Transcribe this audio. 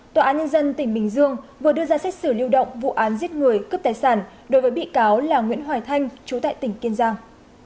tòa án nhân dân tỉnh bình dương vừa đưa ra xét xử lưu động vụ án giết người cướp tài sản đối với bị cáo là nguyễn hoài thanh chú tại tỉnh kiên giang